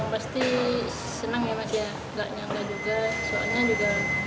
gak nyangka juga soalnya juga